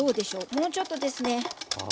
もうちょっとですね。